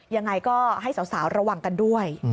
ยังไงก็ให้สาวระวังกันด้วย